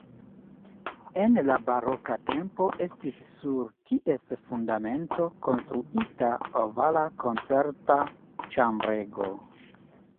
En la baroka tempo estis sur ties fundamento konstruita ovala koncerta ĉambrego.